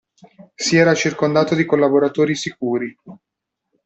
Si era circondato di collaboratori sicuri.